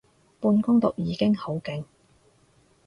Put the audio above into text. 半工讀已經好勁